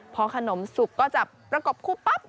พอขนมสุกก็จะประกบคู่ปั๊บ